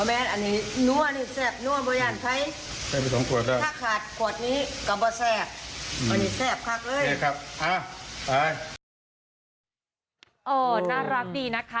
น่ารักดีนะคะ